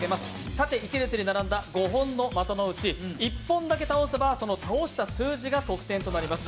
縦一列に並んだ５本の的のうち１本だけ倒せば、その倒した数字が得点となります。